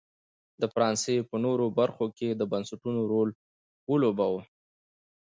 د فرانسې په نورو برخو کې یې د بنسټونو رول ولوباوه.